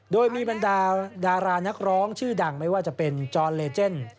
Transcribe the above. โดยมีบรรดาดารานักร้องชื่อดังไม่ว่าจะเป็นจอนเลเจน